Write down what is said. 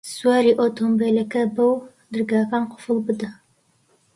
سواری ئۆتۆمبێلەکە بە و دەرگاکان قوفڵ بدە.